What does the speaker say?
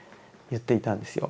言っていたんですよ。